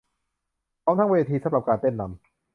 พร้อมทั้งเวทีสำหรับการเต้นรำ